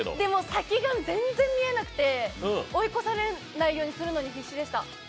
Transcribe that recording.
先が全然見えなくて追い越されないようにするのに必死でした。